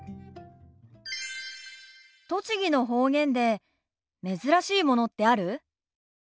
栃木の方言で珍しいものってある？